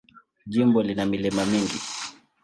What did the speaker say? Jimbo lina milima mingi.